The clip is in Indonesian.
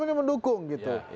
ini mendukung gitu